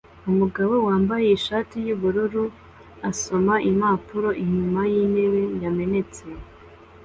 Umugabo wambaye ishati yubururu asoma impapuro inyuma yintebe yamenetse